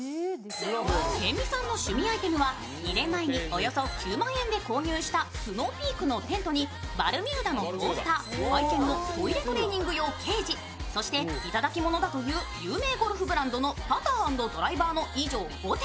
辺見さんの趣味アイテムは２年前におよそ９万円で購入したスノーピークのテントにバルミューダのトースター、愛犬のトイレトレーニング用ケージ、そしていただきものだという有名ゴルフブランドのパター＆ドライバーの以上５点。